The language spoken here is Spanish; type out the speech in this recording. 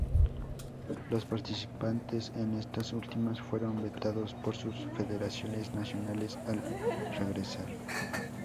Los participantes en estas últimas fueron vetados por sus federaciones nacionales al regresar.